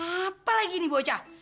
apa lagi ini bocah